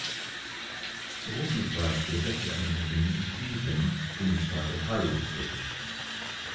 Beruflich war er später für ein Unternehmen in Cleveland (Bundesstaat Ohio) tätig.